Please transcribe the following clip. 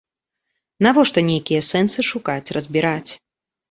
Навошта нейкія сэнсы шукаць, разбіраць?